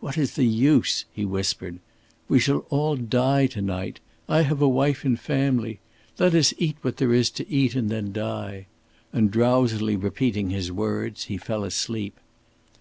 "What is the use?" he whispered. "We shall all die to night.... I have a wife and family.... Let us eat what there is to eat and then die," and drowsily repeating his words, he fell asleep.